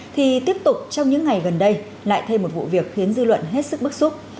thì tiếp tục trong những ngày gần đây lại thêm một vụ việc khiến dư luận hết sức bức xúc